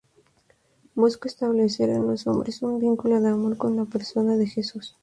Buscó establecer en los hombres un vínculo de amor con la persona de Jesús.